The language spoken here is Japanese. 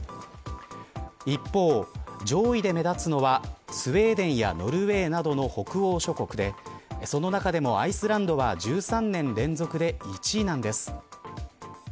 一方、上位で目立つのはスウェーデンやノルウェーなどの北欧諸国でその中でもアイスランドは１３年連続で１位なんです。